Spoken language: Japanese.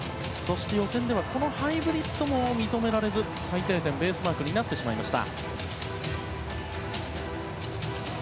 予選ではこのハイブリッドも認められず最低点ベースマークになってしまいました。